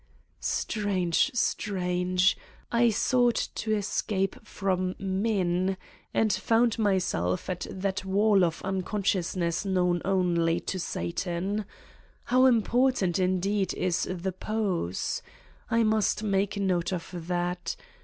Strange, strange. ... I sought to escape from men and found myself at that wall of Uncon sciousness known only to Satan ! How important, indeed, is the pose! I must make note of that.